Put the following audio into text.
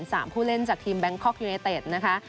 ผู้เล่นจากทีมแบงคอกยูเนเต็ดนะคะ